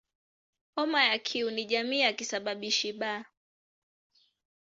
Homa ya Q ni jamii ya kisababishi "B".